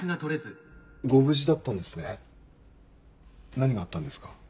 何があったんですか？